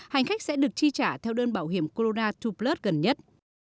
hành khách sẽ được tri trả theo đơn bảo hiểm corona hai plus gần nhất